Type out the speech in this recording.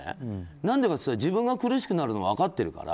何でかって言ったら自分が苦しくなるのが分かってるから。